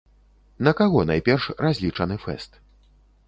На каго найперш разлічаны фэст?